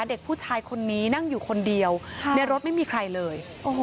เด็กผู้ชายคนนี้นั่งอยู่คนเดียวในรถไม่มีใครเลย